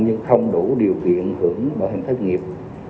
nhưng không đủ điều kiện hưởng bảo hiểm thất nghiệp